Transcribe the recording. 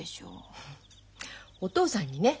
フお父さんにね。